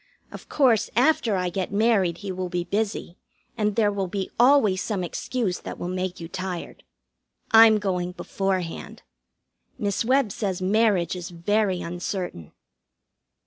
Of course, after I get married he will be busy, and there will be always some excuse that will make you tired. I'm going beforehand. Miss Webb says marriage is very uncertain.